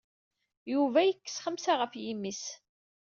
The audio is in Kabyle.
Yuba yekkes xemsa ɣef yimi-s.